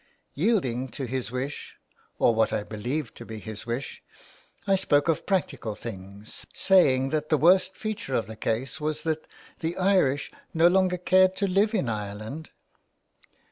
Yielding to his wish, or what I believed to be his wish, I spoke of practical things, saying that the worst feature of the case was that the Irish no longer cared to live in Ireland.